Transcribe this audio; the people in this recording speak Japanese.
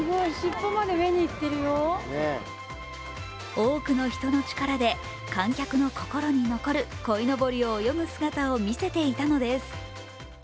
多くの人の力で観客の心に残るこいのぼりの泳ぐ姿を見せていたのです。